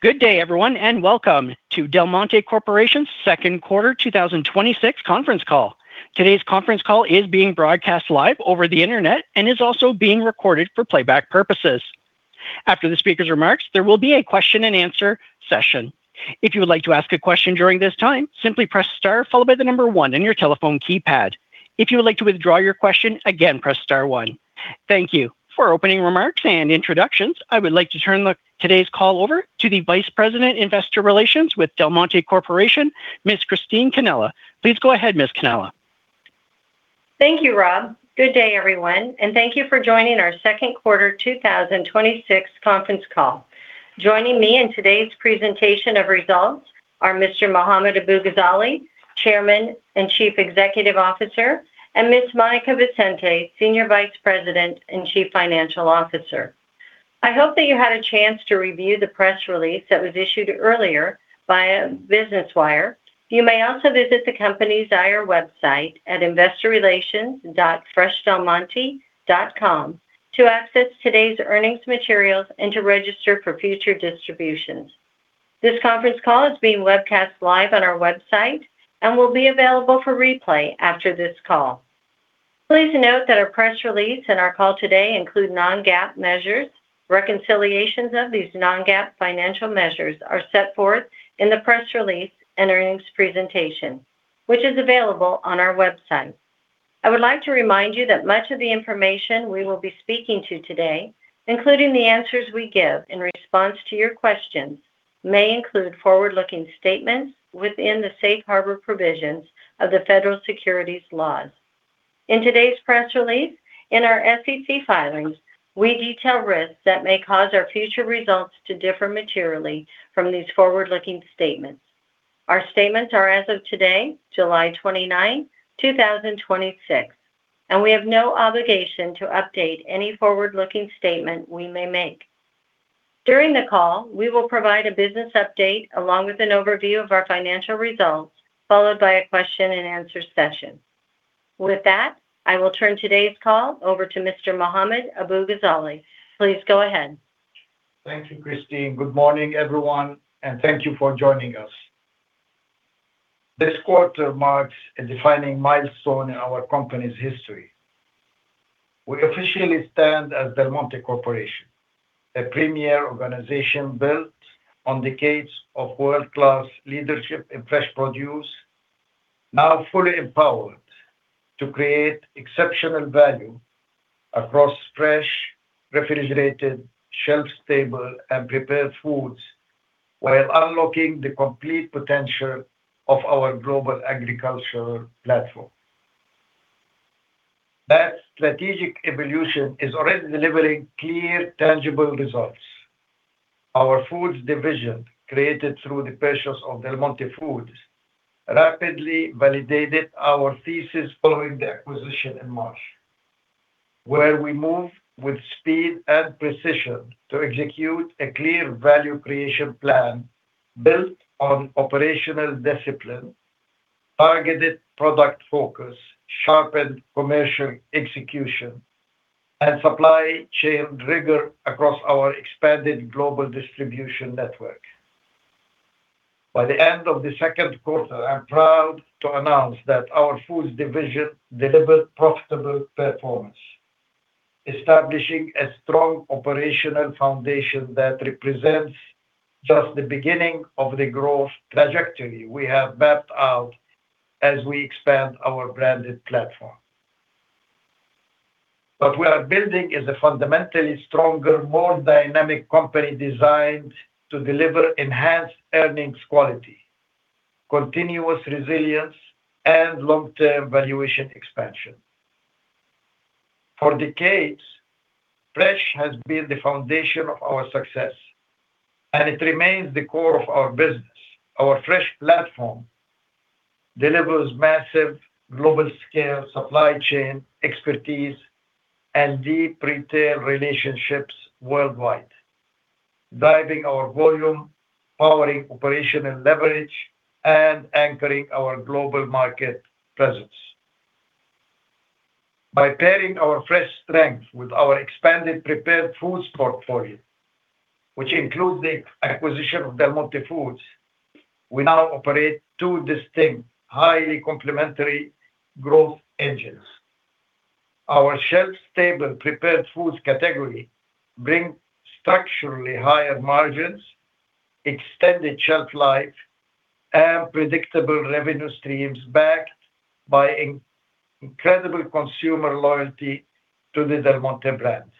Good day everyone, and welcome to Del Monte Corporation's second quarter 2026 conference call. Today's conference call is being broadcast live over the internet and is also being recorded for playback purposes. After the speaker's remarks, there will be a question and answer session. If you would like to ask a question during this time, simply press star followed by the number one on your telephone keypad. If you would like to withdraw your question, again, press star one. Thank you. For opening remarks and introductions, I would like to turn today's call over to the Vice President, Investor Relations with Del Monte Corporation, Ms. Christine Cannella. Please go ahead, Ms. Cannella. Thank you, Rob. Good day everyone, and thank you for joining our second quarter 2026 conference call. Joining me in today's presentation of results are Mr. Mohammad Abu-Ghazaleh, Chairman and Chief Executive Officer, and Ms. Monica Vicente, Senior Vice President and Chief Financial Officer. I hope that you had a chance to review the press release that was issued earlier via Business Wire. You may also visit the company's IR website at investorrelations.freshdelmonte.com to access today's earnings materials and to register for future distributions. This conference call is being webcast live on our website and will be available for replay after this call. Please note that our press release and our call today include non-GAAP measures. Reconciliations of these non-GAAP financial measures are set forth in the press release and earnings presentation, which is available on our website. I would like to remind you that much of the information we will be speaking to today, including the answers we give in response to your questions, may include forward-looking statements within the Safe Harbor provisions of the Federal Securities laws. In today's press release, in our SEC filings, we detail risks that may cause our future results to differ materially from these forward-looking statements. Our statements are as of today, July 29, 2026, and we have no obligation to update any forward-looking statement we may make. During the call, we will provide a business update along with an overview of our financial results, followed by a question-and-answer session. With that, I will turn today's call over to Mr. Mohammad Abu-Ghazaleh. Please go ahead. Thank you, Christine. Good morning, everyone, and thank you for joining us. This quarter marks a defining milestone in our company's history. We officially stand as Del Monte Corporation, a premier organization built on decades of world-class leadership in fresh produce, now fully empowered to create exceptional value across fresh, refrigerated, shelf-stable, and prepared foods, while unlocking the complete potential of our global agricultural platform. That strategic evolution is already delivering clear, tangible results. Our foods division, created through the purchase of Del Monte Foods, rapidly validated our thesis following the acquisition in March, where we moved with speed and precision to execute a clear value creation plan built on operational discipline, targeted product focus, sharpened commercial execution, and supply chain rigor across our expanded global distribution network. By the end of the second quarter, I'm proud to announce that our Foods division delivered profitable performance, establishing a strong operational foundation that represents just the beginning of the growth trajectory we have mapped out as we expand our branded platform. What we are building is a fundamentally stronger, more dynamic company designed to deliver enhanced earnings quality, continuous resilience, and long-term valuation expansion. For decades, Fresh has been the foundation of our success, and it remains the core of our business. Our Fresh platform delivers massive global scale, supply chain expertise, and deep retail relationships worldwide, driving our volume, powering operational leverage, and anchoring our global market presence. By pairing our Fresh strength with our expanded prepared foods portfolio, which includes the acquisition of Del Monte Foods, we now operate two distinct, highly complementary growth engines. Our shelf-stable prepared foods category brings structurally higher margins, extended shelf life, and predictable revenue streams backed by incredible consumer loyalty to the Del Monte brand.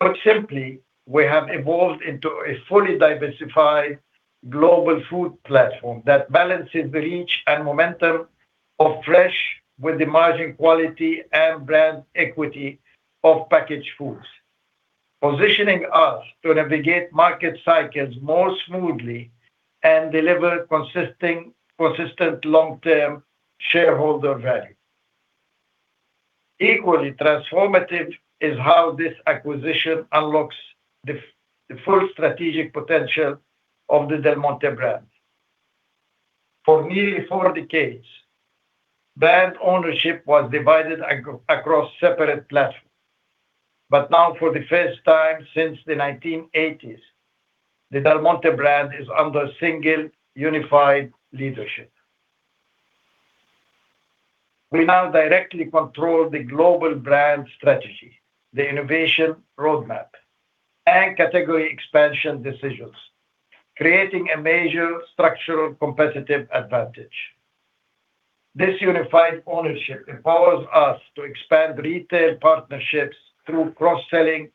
Put simply, we have evolved into a fully diversified global food platform that balances the reach and momentum of Fresh with the margin quality and brand equity of packaged foods, positioning us to navigate market cycles more smoothly and deliver consistent long-term shareholder value. Equally transformative is how this acquisition unlocks the full strategic potential of the Del Monte brand. For nearly four decades, brand ownership was divided across separate platforms. Now, for the first time since the 1980s, the Del Monte brand is under single, unified leadership. We now directly control the global brand strategy, the innovation roadmap, and category expansion decisions, creating a major structural competitive advantage. This unified ownership empowers us to expand retail partnerships through cross-selling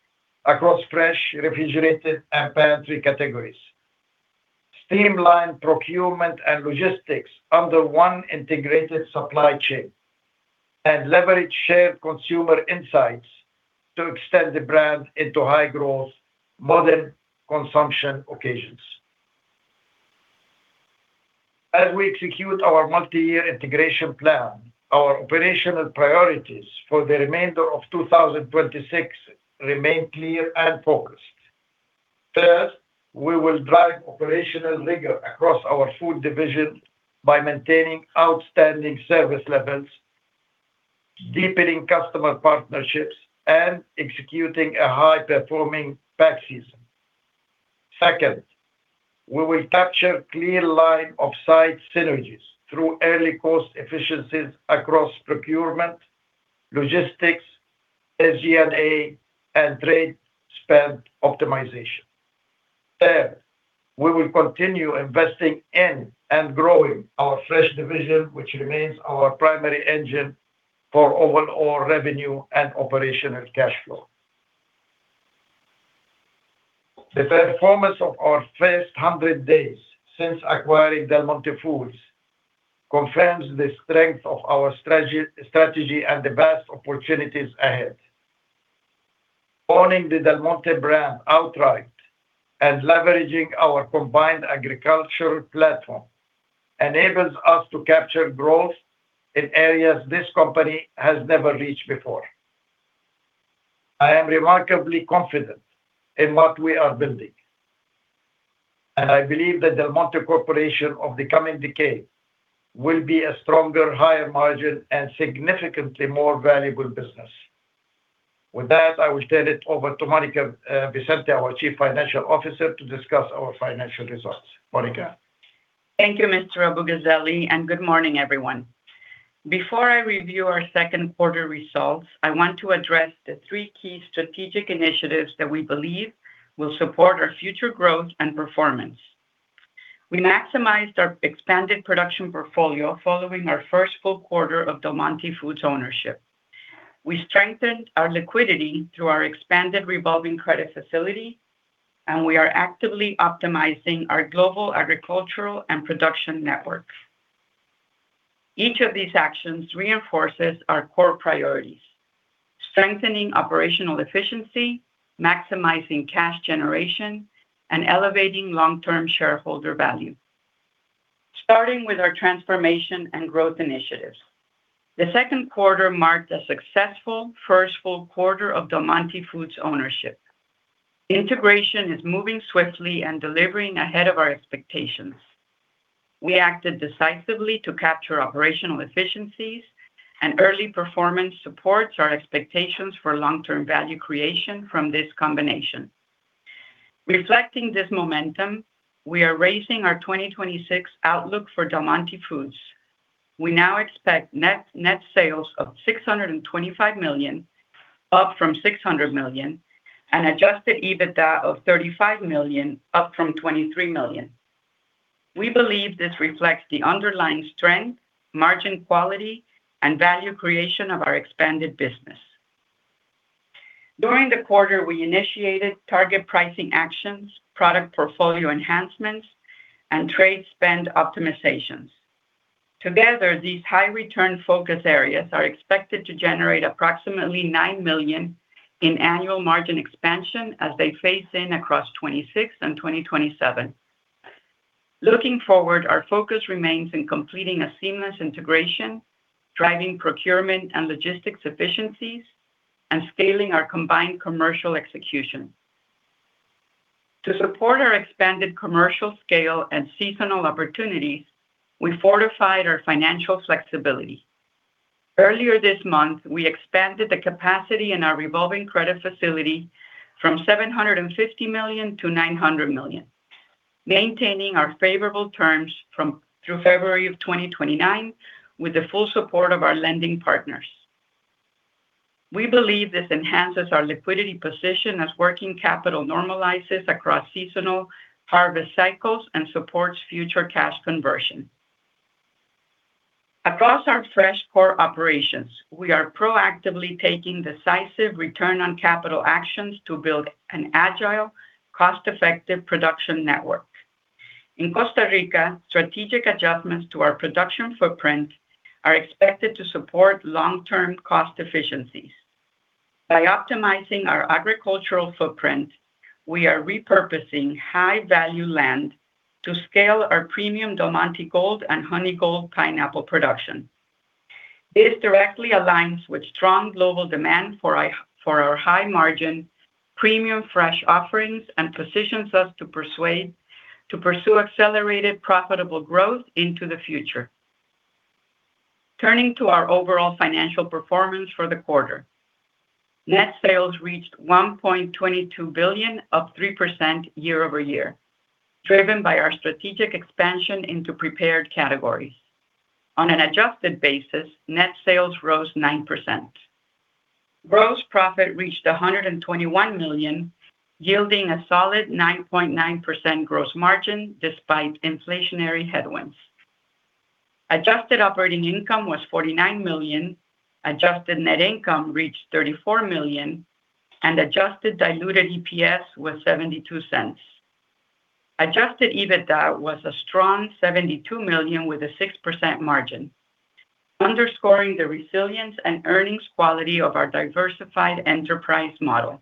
across Fresh, refrigerated, and pantry categories, streamline procurement and logistics under one integrated supply chain, and leverage shared consumer insights to extend the brand into high-growth modern consumption occasions. As we execute our multi-year integration plan, our operational priorities for the remainder of 2026 remain clear and focused. First, we will drive operational rigor across our Foods division by maintaining outstanding service levels, deepening customer partnerships, and executing a high-performing pack season. Second, we will capture clear line-of-sight synergies through early cost efficiencies across procurement, logistics, SGA, and trade spend optimization. Third, we will continue investing in and growing our Fresh division, which remains our primary engine for overall revenue and operational cash flow. The performance of our first 100 days since acquiring Del Monte Foods confirms the strength of our strategy and the vast opportunities ahead. Owning the Del Monte brand outright and leveraging our combined agricultural platform enables us to capture growth in areas this company has never reached before. I am remarkably confident in what we are building, and I believe the Del Monte Corporation of the coming decade will be a stronger, higher margin, and significantly more valuable business. With that, I will turn it over to Monica Vicente, our Chief Financial Officer, to discuss our financial results. Monica. Thank you, Mr. Abu-Ghazaleh, and good morning, everyone. Before I review our second quarter results, I want to address the three key strategic initiatives that we believe will support our future growth and performance. We maximized our expanded production portfolio following our first full quarter of Del Monte Foods ownership. We strengthened our liquidity through our expanded revolving credit facility, and we are actively optimizing our global agricultural and production network. Each of these actions reinforces our core priorities: strengthening operational efficiency, maximizing cash generation, and elevating long-term shareholder value. Starting with our transformation and growth initiatives, the second quarter marked a successful first full quarter of Del Monte Foods ownership. Integration is moving swiftly and delivering ahead of our expectations. We acted decisively to capture operational efficiencies, and early performance supports our expectations for long-term value creation from this combination. Reflecting this momentum, we are raising our 2026 outlook for Del Monte Foods. We now expect net sales of $625 million, up from $600 million, and adjusted EBITDA of $35 million, up from $23 million. We believe this reflects the underlying strength, margin quality, and value creation of our expanded business. During the quarter, we initiated target pricing actions, product portfolio enhancements, and trade spend optimizations. Together, these high-return focus areas are expected to generate approximately $9 million in annual margin expansion as they phase in across 2026 and 2027. Looking forward, our focus remains in completing a seamless integration, driving procurement and logistics efficiencies, and scaling our combined commercial execution. To support our expanded commercial scale and seasonal opportunities, we fortified our financial flexibility. Earlier this month, we expanded the capacity in our revolving credit facility from $750 million to $900 million, maintaining our favorable terms through February of 2029 with the full support of our lending partners. We believe this enhances our liquidity position as working capital normalizes across seasonal harvest cycles and supports future cash conversion. Across our fresh core operations, we are proactively taking decisive return on capital actions to build an agile, cost-effective production network. In Costa Rica, strategic adjustments to our production footprint are expected to support long-term cost efficiencies. By optimizing our agricultural footprint, we are repurposing high-value land to scale our premium Del Monte Gold and Honeyglow pineapple production. This directly aligns with strong global demand for our high-margin, premium fresh offerings and positions us to pursue accelerated profitable growth into the future. Turning to our overall financial performance for the quarter. Net sales reached $1.22 billion, up 3% year-over-year, driven by our strategic expansion into prepared categories. On an adjusted basis, net sales rose 9%. Gross profit reached $121 million, yielding a solid 9.9% gross margin despite inflationary headwinds. Adjusted operating income was $49 million, adjusted net income reached $34 million, and adjusted diluted EPS was $0.72. Adjusted EBITDA was a strong $72 million with a 6% margin, underscoring the resilience and earnings quality of our diversified enterprise model.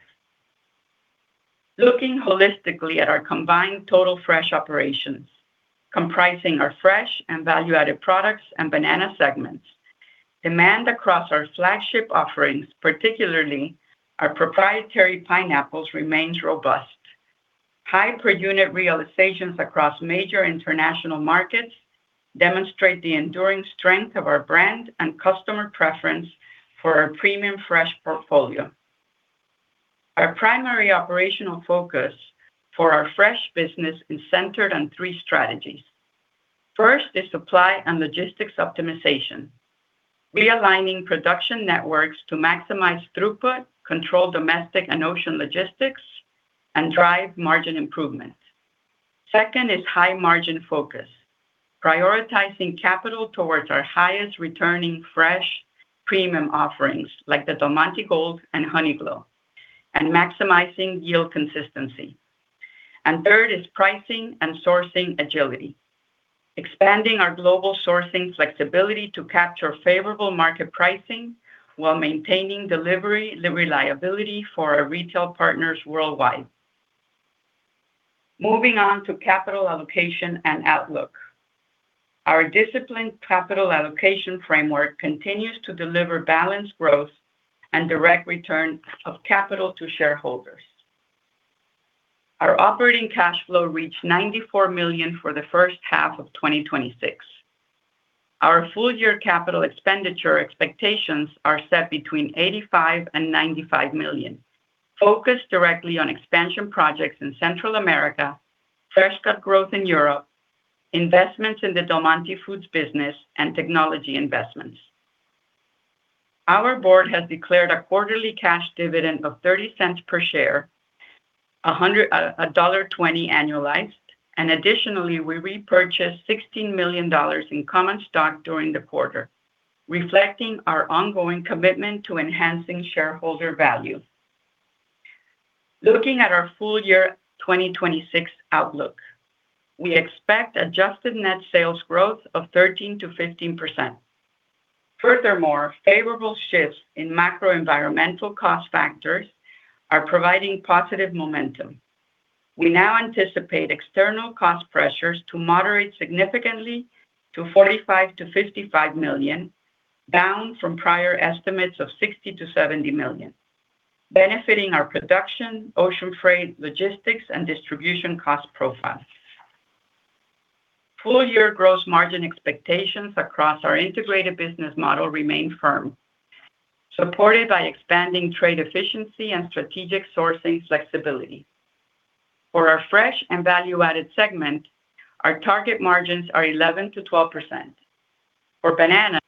Looking holistically at our combined total fresh operations, comprising our fresh and value-added products and banana segments, demand across our flagship offerings, particularly our proprietary pineapples, remains robust. High per-unit realizations across major international markets demonstrate the enduring strength of our brand and customer preference for our premium fresh portfolio. Our primary operational focus for our fresh business is centered on three strategies. First is supply and logistics optimization, realigning production networks to maximize throughput, control domestic and ocean logistics, and drive margin improvements. Second is high margin focus, prioritizing capital towards our highest returning fresh premium offerings like the Del Monte Gold and Honeyglow, and maximizing yield consistency. Third is pricing and sourcing agility, expanding our global sourcing flexibility to capture favorable market pricing while maintaining delivery reliability for our retail partners worldwide. Moving on to capital allocation and outlook. Our disciplined capital allocation framework continues to deliver balanced growth and direct return of capital to shareholders. Our operating cash flow reached $94 million for the first half of 2026. Our full-year capital expenditure expectations are set between $85 million and $95 million, focused directly on expansion projects in Central America, fresh-cut growth in Europe, investments in the Del Monte Foods business, and technology investments. Our board has declared a quarterly cash dividend of $0.30 per share, $1.20 annualized. Additionally, we repurchased $16 million in common stock during the quarter, reflecting our ongoing commitment to enhancing shareholder value. Looking at our full-year 2026 outlook, we expect adjusted net sales growth of 13%-15%. Furthermore, favorable shifts in macro-environmental cost factors are providing positive momentum. We now anticipate external cost pressures to moderate significantly to $45 million-$55 million, down from prior estimates of $60 million-$70 million, benefiting our production, ocean freight, logistics, and distribution cost profiles. Full-year gross margin expectations across our integrated business model remain firm, supported by expanding trade efficiency and strategic sourcing flexibility. For our fresh and value-added segment, our target margins are 11%-12%. For banana-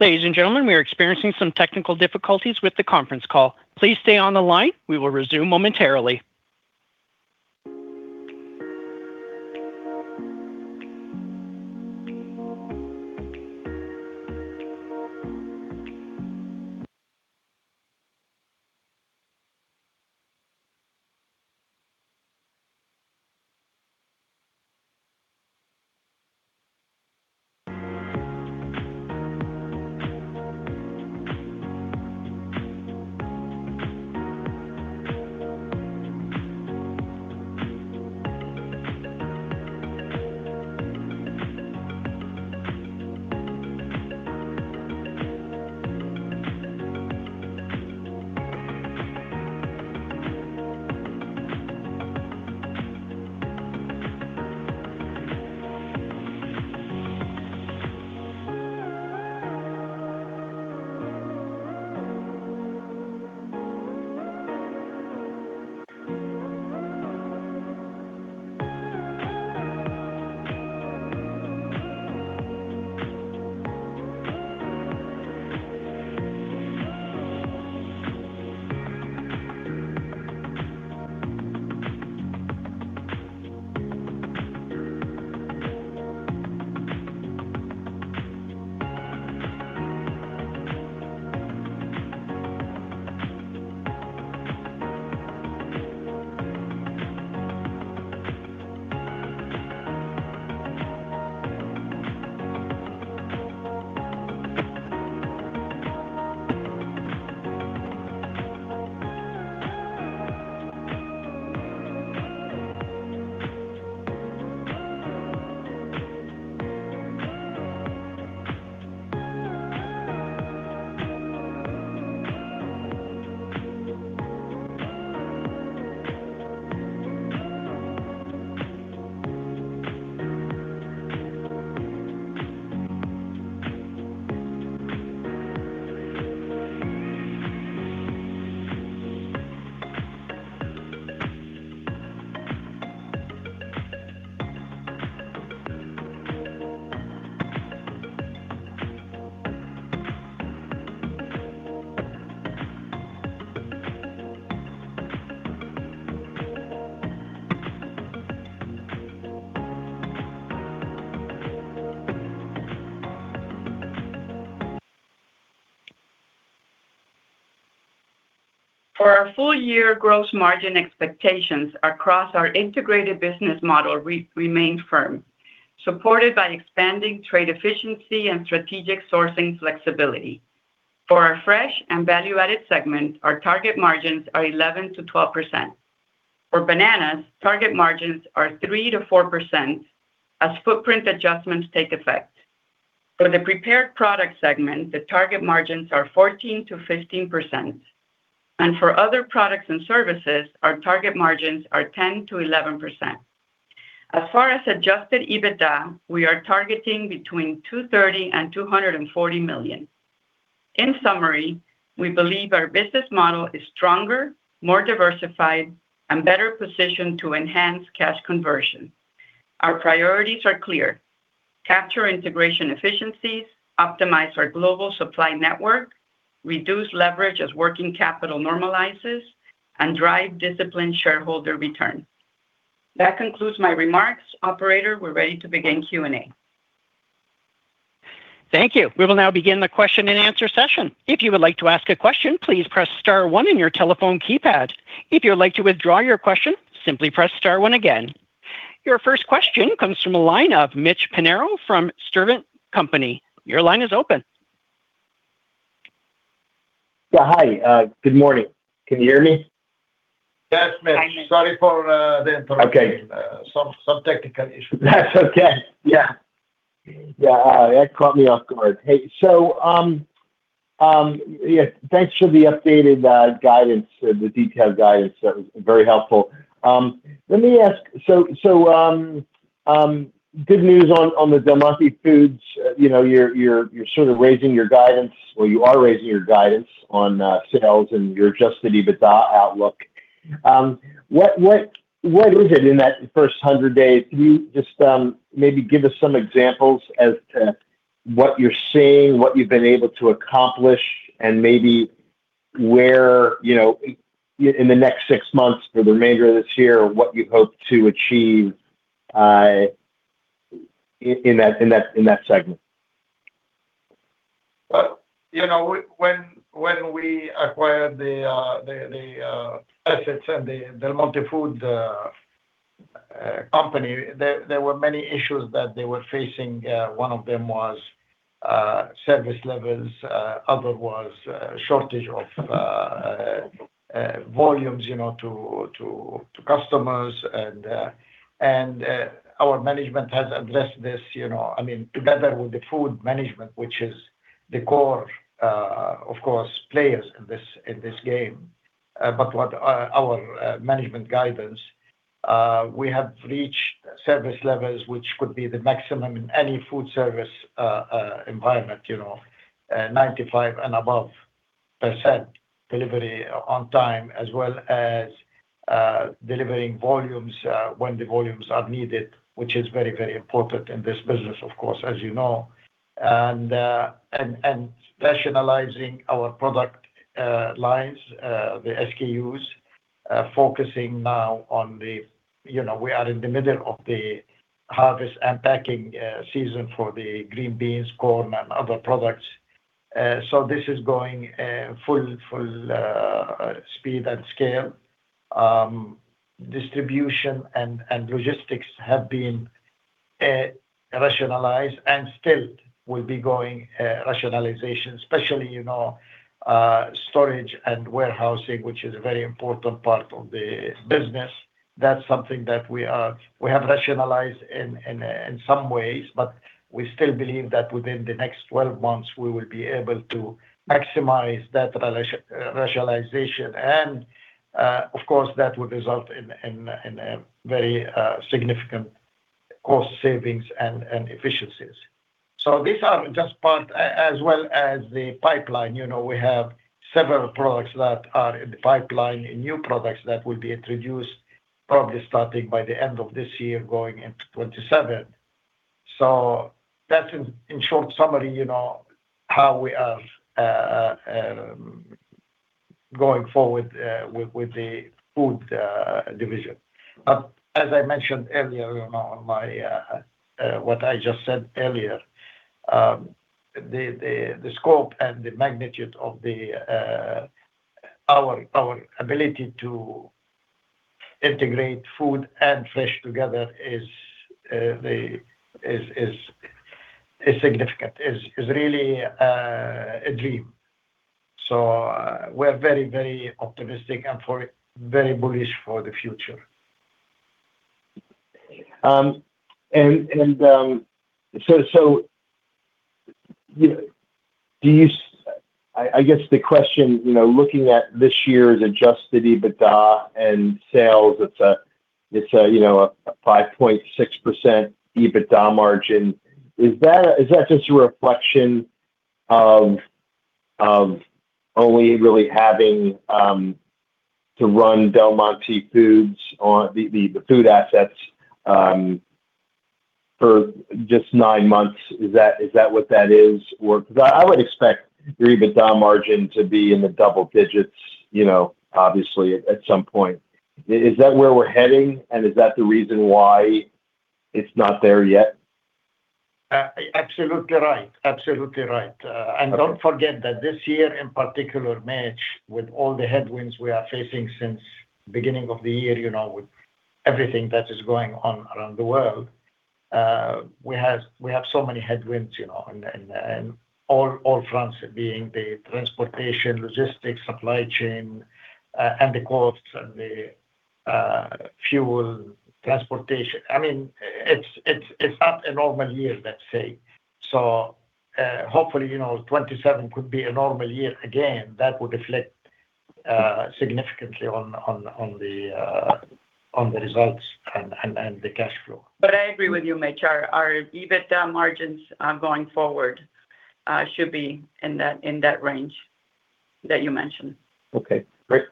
Ladies and gentlemen, we are experiencing some technical difficulties with the conference call. Please stay on the line. We will resume momentarily. For our full-year gross margin expectations across our integrated business model remain firm, supported by expanding trade efficiency and strategic sourcing flexibility. For our fresh and value-added segment, our target margins are 11%-12%. For bananas, target margins are 3%-4% as footprint adjustments take effect. For the prepared product segment, the target margins are 14%-15%, and for other products and services, our target margins are 10%-11%. As far as adjusted EBITDA, we are targeting between $230 million and $240 million. In summary, we believe our business model is stronger, more diversified, and better positioned to enhance cash conversion. Our priorities are clear. Capture integration efficiencies, optimize our global supply network, reduce leverage as working capital normalizes, and drive disciplined shareholder return. That concludes my remarks. Operator, we're ready to begin Q&A. Thank you. We will now begin the question-and-answer session. If you would like to ask a question, please press star one on your telephone keypad. If you would like to withdraw your question, simply press star one again. Your first question comes from the line of Mitch Pinheiro from Sturdivant & Co. Your line is open. Yeah, hi. Good morning. Can you hear me? Yes, Mitch. Sorry for the interruption. Okay. Some technical issue. That's okay. Yeah. That caught me off guard. Thanks for the updated guidance, the detailed guidance. That was very helpful. Let me ask, good news on the Del Monte Foods. You're sort of raising your guidance, or you are raising your guidance on sales and your adjusted EBITDA outlook. What is it in that first 100 days? Can you just maybe give us some examples as to what you're seeing, what you've been able to accomplish, and maybe where, in the next six months or the remainder of this year, what you hope to achieve in that segment? When we acquired the assets and the Del Monte Food Company, there were many issues that they were facing. One of them was service levels; other was shortage of volumes to customers. Our management has addressed this, together with the food management, which is the core, of course, players in this game. What our management guidance, we have reached service levels, which could be the maximum in any food service environment, 95% and above delivery on time, as well as delivering volumes when the volumes are needed, which is very, very important in this business, of course, as you know. Rationalizing our product lines, the SKUs. We are in the middle of the harvest and packing season for the green beans, corn, and other products. This is going full speed and scale. Distribution and logistics have been rationalized and still will be going rationalization, especially storage and warehousing, which is a very important part of the business. That's something that we have rationalized in some ways, but we still believe that within the next 12 months, we will be able to maximize that rationalization. Of course, that will result in very significant cost savings and efficiencies. These are just part, as well as the pipeline. We have several products that are in the pipeline and new products that will be introduced probably starting by the end of this year, going into 2027. That's in short summary, how we are going forward with the food division. As I mentioned earlier, what I just said earlier, the scope and the magnitude of our ability to Integrate food and Fresh together is significant. Is really a dream. We're very optimistic and very bullish for the future. I guess the question, looking at this year's adjusted EBITDA and sales, is, "Is it a 5.6% EBITDA margin?" Is that just a reflection of only really having to run Del Monte Foods or the food assets for just nine months? Is that what that is, or? Because I would expect your EBITDA margin to be in the double digits, obviously, at some point. Is that where we're heading, and is that the reason why it's not there yet? Absolutely right. Don't forget that this year, in particular, Mitch, with all the headwinds we are facing since beginning of the year, with everything that is going on around the world. We have so many headwinds, and all fronts being the transportation, logistics, supply chain, and the costs and the fuel transportation. It's not a normal year, let's say. Hopefully, 2027 could be a normal year again. That would reflect significantly on the results and the cash flow. I agree with you, Mitch. Our EBITDA margins going forward should be in that range that you mentioned. Okay, great.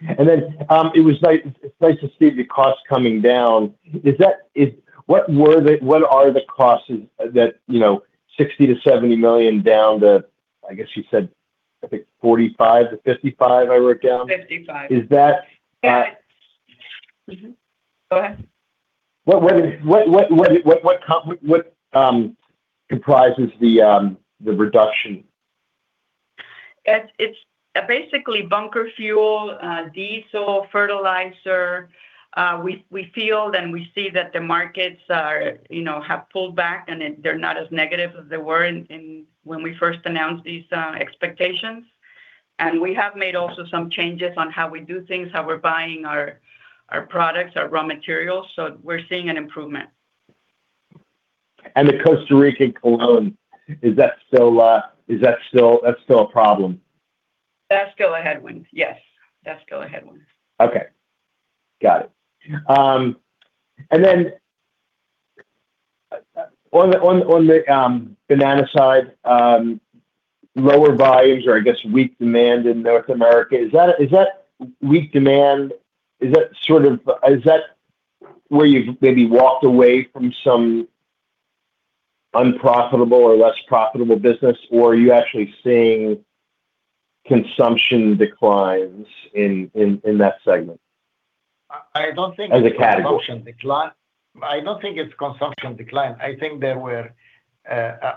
It was nice to see the costs coming down. What are the costs that $60 million-$70 million down to, I guess you said, I think $45 million-$55 million, I wrote down? 55. Is that— Go ahead. What comprises the reduction? It's basically bunker fuel, diesel, fertilizer. We feel, and we see, that the markets have pulled back, and they're not as negative as they were when we first announced these expectations. We have made also some changes on how we do things, how we're buying our products, our raw materials. We're seeing an improvement. The Costa Rican Colón, is that still a problem? That's still a headwind. Yes, that's still a headwind. Okay, got it. On the banana side, lower volumes, or I guess weak demand in North America, is that weak demand, is that where you've maybe walked away from some unprofitable or less profitable business? Or are you actually seeing consumption declines in that segment? I don't think it's As a category Consumption decline. I don't think it's consumption decline. I think there were,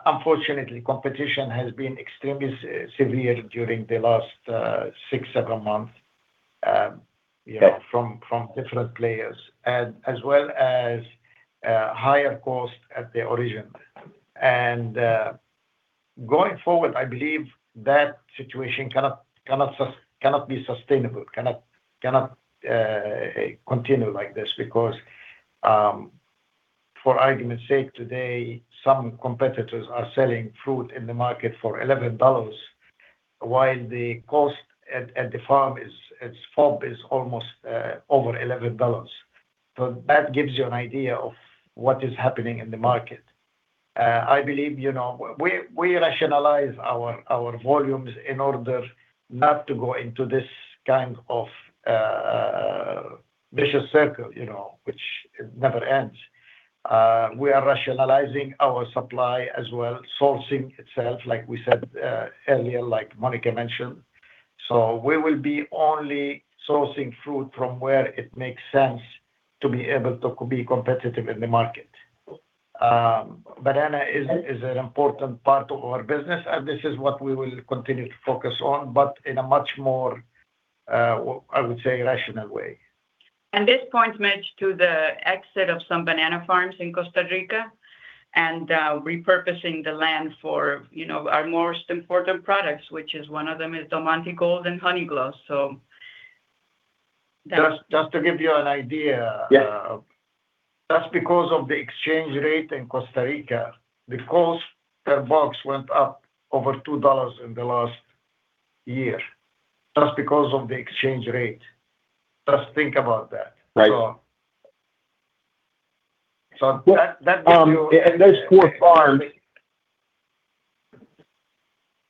unfortunately, competition has been extremely severe during the last six, seven months. Yeah From different players, as well as higher cost at the origin. Going forward, I believe that situation cannot be sustainable, cannot continue like this because, for argument's sake, today, some competitors are selling fruit in the market for $11, while the cost at the farm is FOB is almost over $11. That gives you an idea of what is happening in the market. I believe we rationalize our volumes in order not to go into this kind of vicious circle, which never ends. We are rationalizing our supply as well, sourcing itself, like we said earlier, like Monica mentioned. We will be only sourcing fruit from where it makes sense to be able to be competitive in the market. Banana is an important part of our business, and this is what we will continue to focus on, but in a much more, I would say, rational way. This points, Mitch, to the exit of some banana farms in Costa Rica and repurposing the land for our most important products, which is one of them is Del Monte Gold and Honeyglow. Just to give you an idea. Yeah. That's because of the exchange rate in Costa Rica. The cost per box went up over $2 in the last year, just because of the exchange rate. Just think about that. Right. That gives you. Those four farms,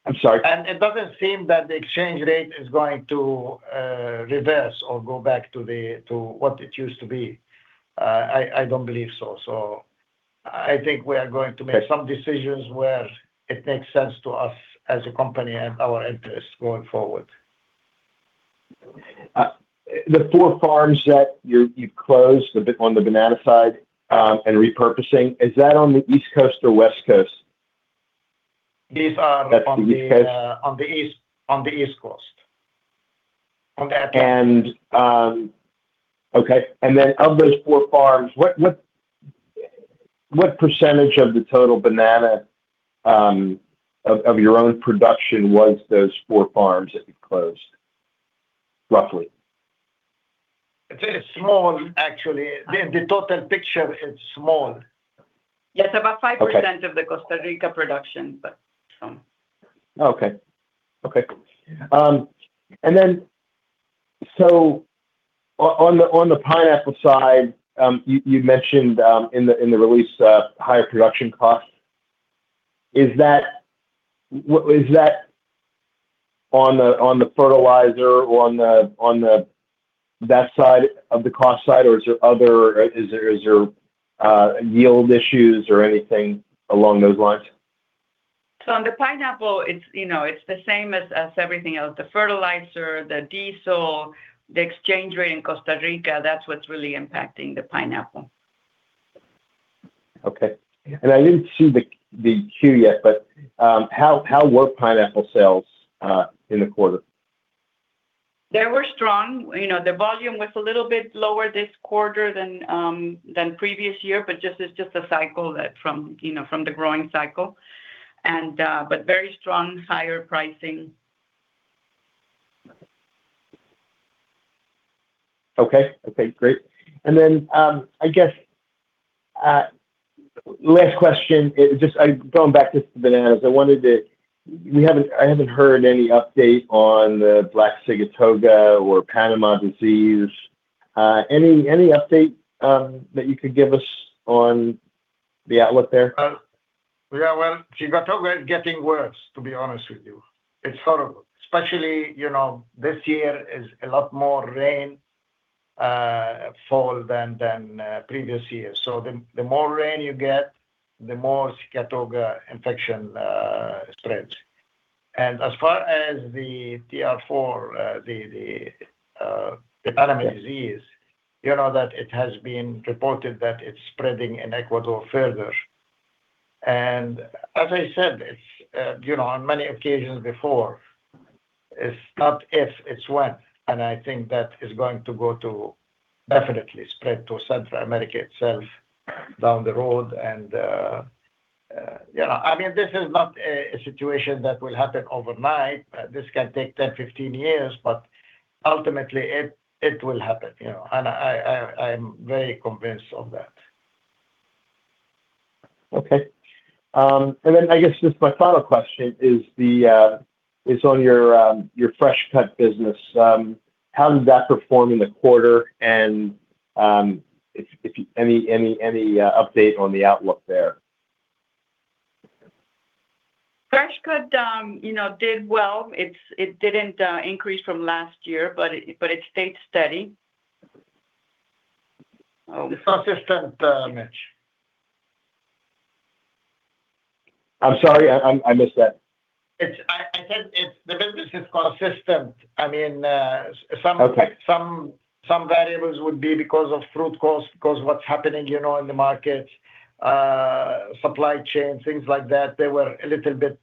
I'm sorry. It doesn't seem that the exchange rate is going to reverse or go back to what it used to be. I don't believe so. I think we are going to make some decisions where it makes sense to us as a company and our interests going forward. The four farms that you've closed on the banana side and repurposing, is that on the East Coast or West Coast? These are on the East Coast. Okay. Of those four farms, what percentage of the total banana of your own production was those four farms that you closed, roughly? It's small, actually. The total picture is small. Yes, about 5% of the Costa Rica production, but still. Okay. On the pineapple side, you mentioned in the release higher production costs. Is that on the fertilizer or on that side of the cost side, or is there yield issues or anything along those lines? On the pineapple, it's the same as everything else. The fertilizer, the diesel, the exchange rate in Costa Rica—that's what's really impacting the pineapple. I didn't see the Q yet, but how were pineapple sales in the quarter? They were strong. The volume was a little bit lower this quarter than previous year, but it's just a cycle from the growing cycle. Very strong, higher pricing. Okay. Great. I guess, last question, just going back to bananas. I haven't heard any updates on the Black Sigatoka or Panama disease. Any update that you could give us on the outlook there? Yeah. Well, Sigatoka is getting worse, to be honest with you. It's sort of, especially this year is a lot more rainfall than previous years. The more rain you get, the more Sigatoka infection spreads. As far as the TR4, the Panama disease, you know that it has been reported that it's spreading in Ecuador further. As I said on many occasions before, it's not if, it's when, and I think that is going to definitely spread to Central America itself down the road. This is not a situation that will happen overnight. This can take 10, 15 years; ultimately, it will happen. I'm very convinced of that. Okay. I guess just my final question is on your fresh-cut business. How did that perform in the quarter, and any update on the outlook there? Fresh cut did well. It didn't increase from last year, but it stayed steady. It's consistent, Mitch. I'm sorry, I missed that. I said the business is consistent. Okay. Some variables would be because of fruit cost, because what's happening in the market, supply chain, things like that. There were a little bit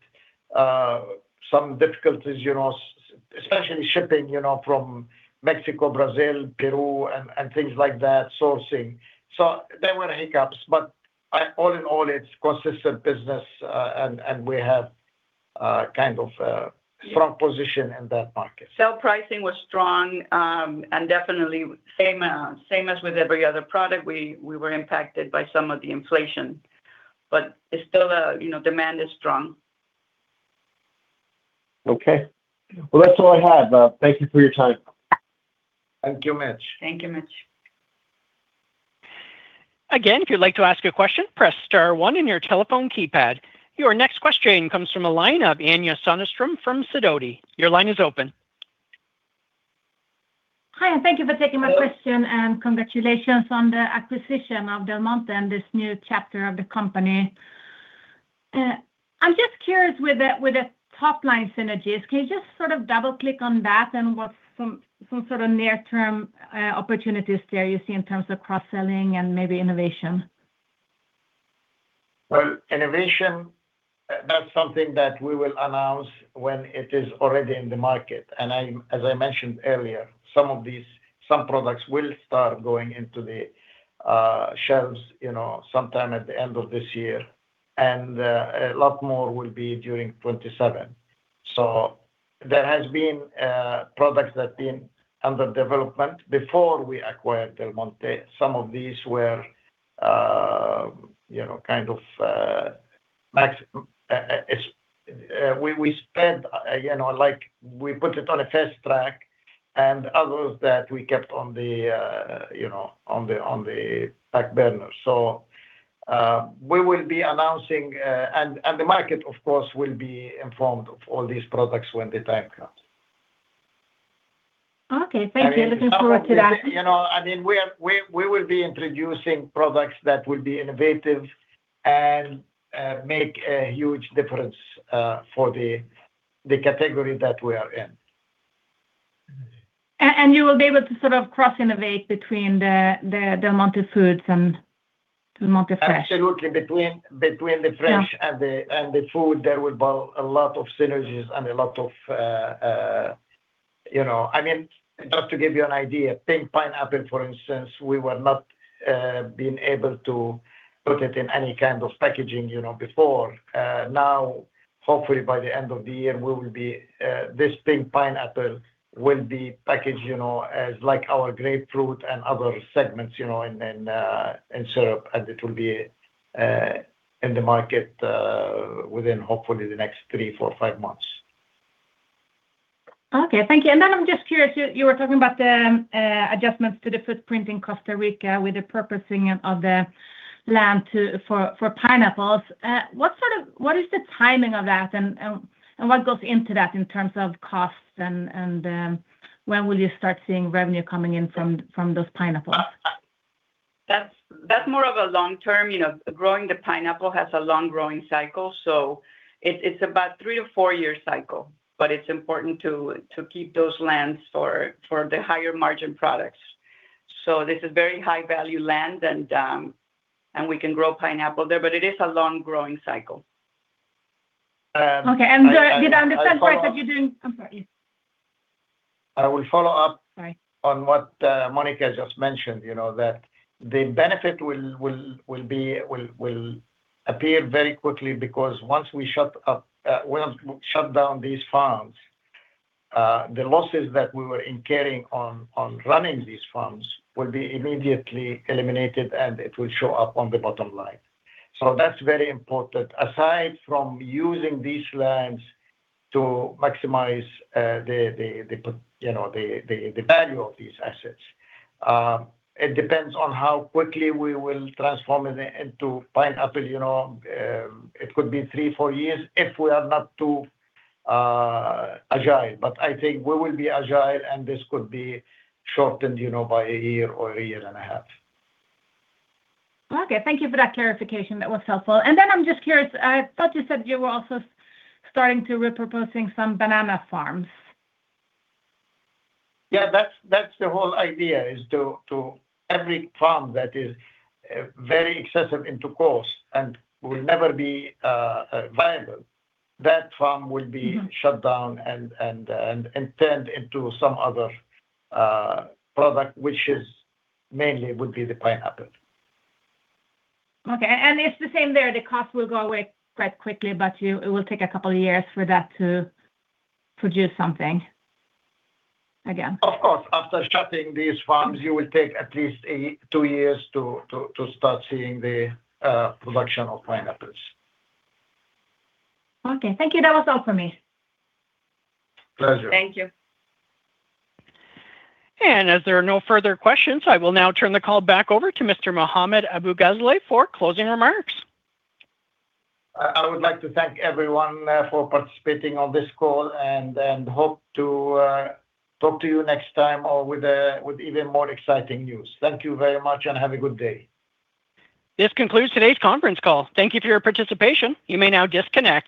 some difficulties, especially shipping from Mexico, Brazil, Peru, and things like that, sourcing. There were hiccups, but all in all, it's consistent business, and we have kind of a front position in that market. Sale pricing was strong, definitely same as with every other product; we were impacted by some of the inflation; still, demand is strong. Okay. Well, that's all I have. Thank you for your time. Thank you, Mitch. Thank you, Mitch. If you'd like to ask a question, press star one on your telephone keypad. Your next question comes from the line of Anja Soderstrom from Sidoti. Your line is open. Hi, thank you for taking my question, and congratulations on the acquisition of Del Monte and this new chapter of the company. I'm just curious with the top-line synergies. Can you just sort of double-click on that and what some sort of near-term opportunities there you see in terms of cross-selling and maybe innovation? Well, innovation, that's something that we will announce when it is already in the market. As I mentioned earlier, some products will start going into the shelves sometime at the end of this year. A lot more will be during 2027. There has been products that have been under development before we acquired Del Monte. Some of these were kind of max. We put it on a fast track and others that we kept on the back burner. We will be announcing, and the market, of course, will be informed of all these products when the time comes. Okay. Thank you. Looking forward to that. We will be introducing products that will be innovative and make a huge difference for the category that we are in. You will be able to cross-innovate between the Del Monte Foods and Del Monte Fresh? Absolutely. Between the Fresh and the food, there will be a lot of synergies. Just to give you an idea, Pinkglow pineapple, for instance, we were not being able to put it in any kind of packaging before. Now, hopefully, by the end of the year, this Pinkglow pineapple will be packaged as our grapefruit and other segments in syrup. It will be in the market within, hopefully, the next three, four, five months. Okay, thank you. I'm just curious; you were talking about the adjustments to the footprint in Costa Rica with the purchasing of the land for pineapples. What is the timing of that, and what goes into that in terms of costs, and when will you start seeing revenue coming in from those pineapples? That's more of a long-term. Growing the pineapple has a long growing cycle, so it's about a three- to four-year cycle. It's important to keep those lands for the higher-margin products. This is very high-value land, and we can grow pineapple there, but it is a long growing cycle. Okay, did I understand correctly— I will follow up. I'm sorry, yes On what Monica just mentioned, that the benefit will appear very quickly because once we shut down these farms, the losses that we were incurring on running these farms will be immediately eliminated, and it will show up on the bottom line. That's very important. Aside from using these lands to maximize the value of these assets, it depends on how quickly we will transform it into pineapple. It could be three, four years if we are not too agile. I think we will be agile, and this could be shortened by a year or a year and a half. Okay. Thank you for that clarification. That was helpful. I'm just curious; I thought you said you were also starting to repurposing some banana farms. Yeah, that's the whole idea, is to every farm that is very excessive into cost and will never be viable, that farm will be shut down and turned into some other product, which mainly would be the pineapple. Okay, it's the same there. The cost will go away quite quickly, but it will take a couple of years for that to produce something again. Of course. After shutting these farms, you will take at least two years to start seeing the production of pineapples. Okay. Thank you. That was all for me. Pleasure. Thank you. As there are no further questions, I will now turn the call back over to Mr. Mohammad Abu-Ghazaleh for closing remarks. I would like to thank everyone for participating on this call and hope to talk to you next time or with even more exciting news. Thank you very much, and have a good day. This concludes today's conference call. Thank you for your participation. You may now disconnect.